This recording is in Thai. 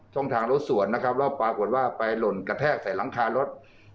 ช่องทางรถส่วนแล้วปรากฏว่าไปหล่นกระแทกใส่หลังคารถ